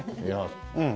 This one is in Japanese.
うん。